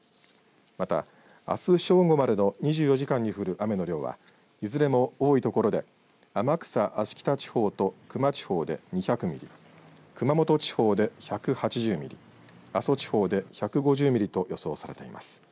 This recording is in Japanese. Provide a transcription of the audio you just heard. また、あす正午までの２４時間に降る雨の量はいずれも多い所で天草、芦北地方と球磨地方で２００ミリ熊本地方で１８０ミリ阿蘇地方で１５０ミリと予想されています。